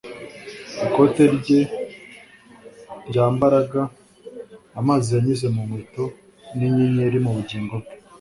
ikote rye ryambaraga, amazi yanyuze mu nkweto n'inyenyeri mu bugingo bwe. ”